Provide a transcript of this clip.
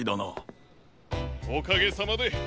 おかげさまで！